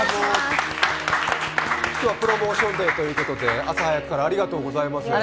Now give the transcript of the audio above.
今日はプロモーション日ということで朝早くからありがとうございます。